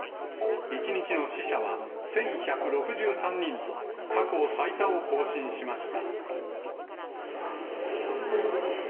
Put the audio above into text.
１日の死者は１１６３人と、過去最多を更新しました。